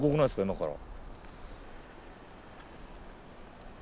今から。